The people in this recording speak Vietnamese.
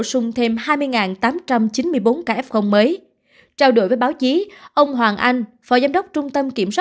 bổ sung thêm hai mươi tám trăm chín mươi bốn ca f mới trao đổi với báo chí ông hoàng anh phó giám đốc trung tâm kiểm soát